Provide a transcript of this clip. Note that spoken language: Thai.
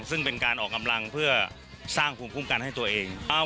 ซึ่งเป็นการออกกำลังเพื่อสร้างภูมิคุ้มกันให้ตัวเอง